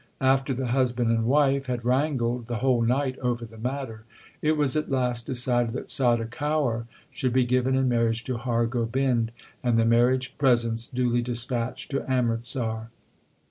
After the husband and wife had wrangled the whole night over the matter, it was at last decided that Sada Kaur should be given in marriage to Har Gobind, and the marriage presents duly dispatched to Amritsar.